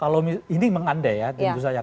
kalau ini mengandai ya tentu saja